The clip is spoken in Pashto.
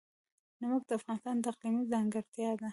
نمک د افغانستان د اقلیم ځانګړتیا ده.